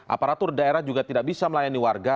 aparatur daerah juga tidak bisa melayani warga